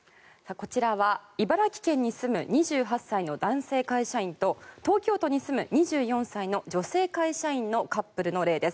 こちらは茨城県に住む２８歳の男性会社員と東京都に住む２４歳の女性会社員のカップルの例です。